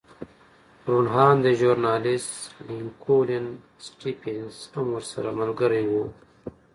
روڼ اندی ژورنالېست لینکولن سټېفنس هم ورسره ملګری و